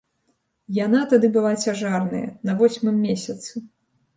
Яна тады была цяжарная, на восьмым месяцы.